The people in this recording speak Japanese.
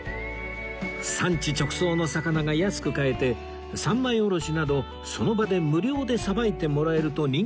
産地直送の魚が安く買えて三枚おろしなどその場で無料でさばいてもらえると人気のお店